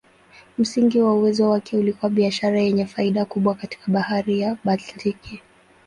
Msingi wa uwezo wake ulikuwa biashara yenye faida kubwa katika Bahari ya Baltiki.